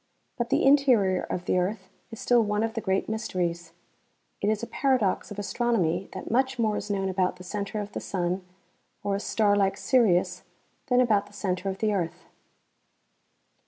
But the interior of the earth is still one of the great mysteries. It is a paradox of astronomy that much more is known about the center of the sun or a star like Sirius than about the center of the earth.